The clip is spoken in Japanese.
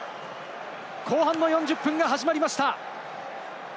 後半の４０分が始まりました。